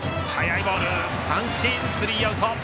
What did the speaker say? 三振、スリーアウト。